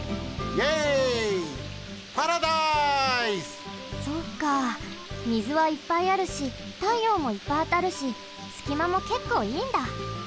みずはいっぱいあるしたいようもいっぱいあたるしすきまもけっこういいんだ。